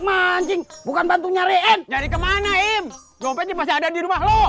mancing bukan bantu nyarian nyari kemana im dompetnya masih ada di rumah lo